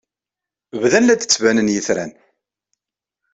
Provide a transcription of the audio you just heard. Bdan la d-ttbanen yitran.